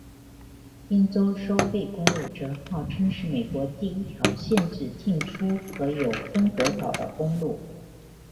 宾州收费公路则号称是美国第一条限制进出和有分隔岛的公路。